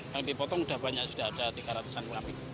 yang dipotong sudah banyak sudah ada tiga ratus an kami